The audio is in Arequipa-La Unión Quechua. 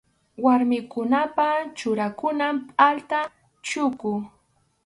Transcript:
Warmikunapa churakunan pʼalta chuku.